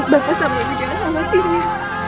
bapak sama ibu jangan khawatir ya